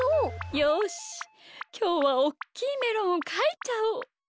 よしきょうはおっきいメロンをかいちゃおう。